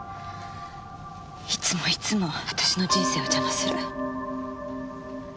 いつもいつも私の人生を邪魔する。